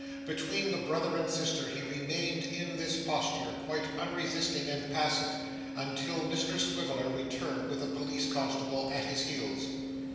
Between the brother and sister he remained in this posture, quite unresisting and passive, until Mr Swiveller returned, with a police constable at his heels.